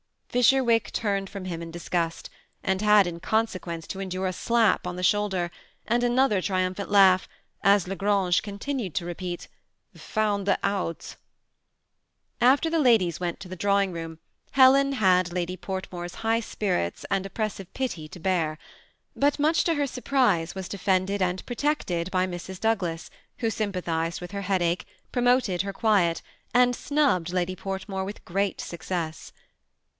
Fisherwick turned from him in disgust, and had in 216 THE SEBn ATTACHED COUPLE. consequence to endure a slap on the shoulder, and another triumphant laugh, as La Grange continued to repeat " Found out" After the ladies went to the drawing room, Helen had Lady Portmore's high spirits and oppressive pi^ to hear; hut much to her 'surprise was defended and protected hy Mrs. Douglas,^ who sympathized with her headache, promoted her quiet, and snuhhed Lady Poart more with great success.